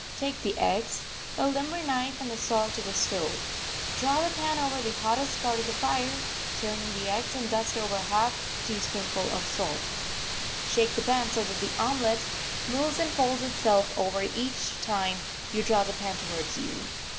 Take the eggs, a limber knife and the salt to the stove. Draw the pan over the hottest part of the fire, turn in the eggs, and dust over a half teaspoonful of salt. Shake the pan so that the omelet moves and folds itself over each time you draw the pan towards you.